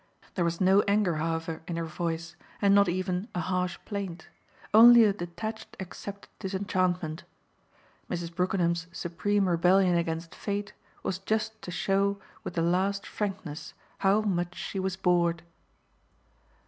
There was no anger, however, in her voice, and not even a harsh plaint; only a detached accepted disenchantment. Mrs. Brookenham's supreme rebellion against fate was just to show with the last frankness how much she was bored.